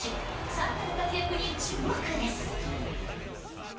更なる活躍に注目です。